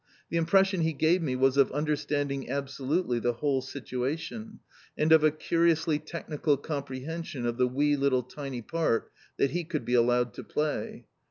The impression he gave me was of understanding absolutely the whole situation, and of a curiously technical comprehension of the wee little tiny part that he could be allowed to play.